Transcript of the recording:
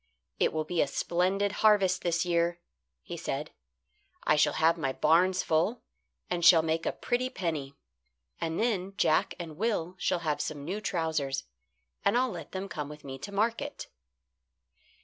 "It will be a splendid harvest this year," he said. "I shall have my barns full, and shall make a pretty penny. And then Jack and Will shall have some new trousers, and I'll let them come with me to market."